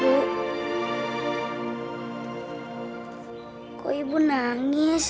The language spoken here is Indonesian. bu kok ibu nangis